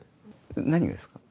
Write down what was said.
何がですか？